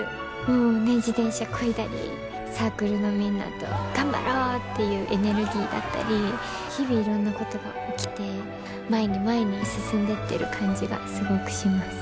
もうね自転車こいだりサークルのみんなと頑張ろうっていうエネルギーだったり日々いろんなことが起きて前に前に進んでってる感じがすごくします。